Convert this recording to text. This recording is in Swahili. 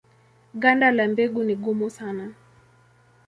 Ganda la mbegu ni gumu sana.